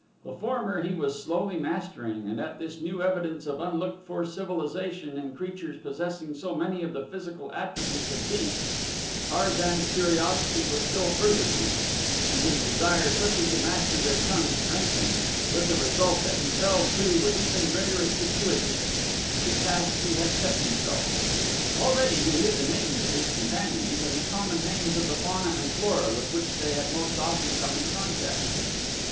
The former he was slowly mastering and at this new evidence of unlooked for civilization in creatures possessing so many of the physical attributes of beasts, Tarzan's curiosity was still further piqued and his desire quickly to master their tongue strengthened, with the result that he fell to with even greater assiduity to the task he had set himself. Already he knew the names of his companions and the common names of the fauna and flora with which they had most often come in contact.